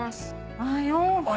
おはよう。